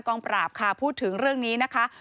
งปราบค่ะพูดถึงเรื่องนี้นะคะ